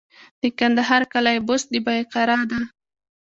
د کندهار قلعه بست د بایقرا ده